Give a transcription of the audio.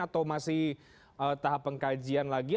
atau masih tahap pengkajian lagi